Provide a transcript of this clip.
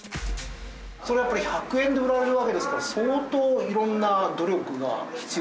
それはやっぱり１００円で売られるわけですから相当色んな努力が必要ですよね？